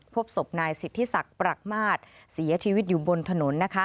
พบศพนายสิทธิศักดิ์ปรักมาศเสียชีวิตอยู่บนถนน